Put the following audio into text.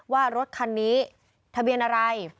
ว่ารถคันนี้ทะเบียนอะไร